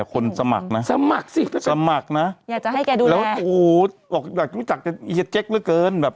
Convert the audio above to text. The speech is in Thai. คนสมัครนะอยากจะให้แกดูแลอยากรู้จักเฮียเจ๊กเมื่อเกิน